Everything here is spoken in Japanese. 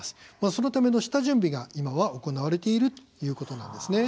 そのための下準備が今は行われているということなんですね。